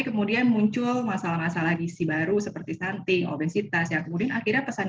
kemudian muncul masalah masalah gisi baru seperti stunting obesitas yang kemudian akhirnya pesan